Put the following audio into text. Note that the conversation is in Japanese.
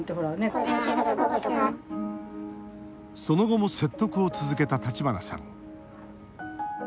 その後も説得を続けた橘さん。